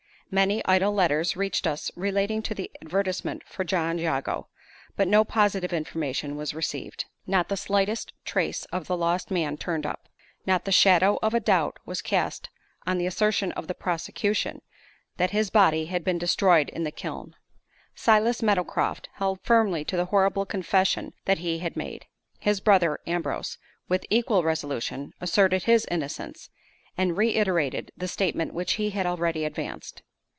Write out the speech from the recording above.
Many idle letters reached us relating to the advertisement for John Jago; but no positive information was received. Not the slightest trace of the lost man turned up; not the shadow of a doubt was cast on the assertion of the prosecution, that his body had been destroyed in the kiln. Silas Meadowcroft held firmly to the horrible confession that he had made. His brother Ambrose, with equal resolution, asserted his innocence, and reiterated the statement which he had already advanced.